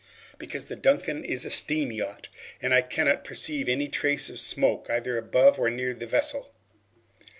"Because the 'Duncan' is a steam yacht, and I cannot perceive any trace of smoke either above or near that vessel."